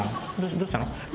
どうしたの？